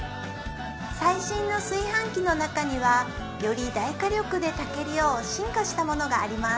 最新の炊飯器の中にはより大火力で炊けるよう進化したものがあります